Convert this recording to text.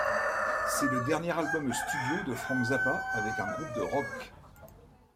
C'est le dernier album studio de Frank Zappa avec un groupe de rock.